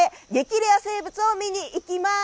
レア生物を見に行きます。